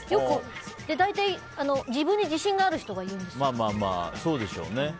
大体、自分に自信がある人が言うんですよ。